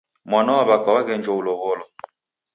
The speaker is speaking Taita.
Mwana wa w'aka waghenjwa ulow'olo!